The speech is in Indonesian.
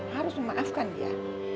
harus memaafkan dia